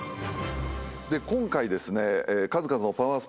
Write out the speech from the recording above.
今回ですね数々のパワースポット